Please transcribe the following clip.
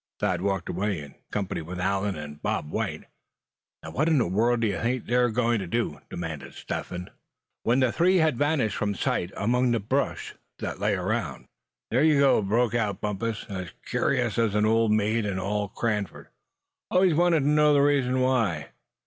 Thad walked away, in company with Allan and Bob White. "Now, what in the wide world d'ye think they're going to do?" demanded Step Hen, when the three had vanished from sight among the brush that lay around. "There you go," broke out Bumpus, "as curious as any old maid in all Cranford, always wantin' to know the reason why.